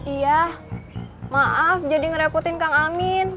iya maaf jadi ngerepotin kang amin